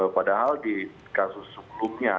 padahal di kasus sebelumnya